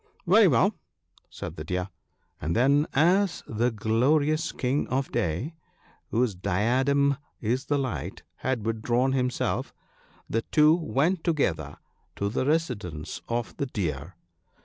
" Very well," said the Deer ; and then, as the glorious King of Day, whose diadem is the light, had withdrawn himself, the two went together to the residence of the Deer.